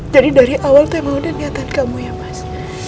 jadi dari awal itu yang mau dinyatakan kamu ya mas